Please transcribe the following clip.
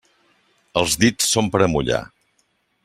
Els dits són per a mullar.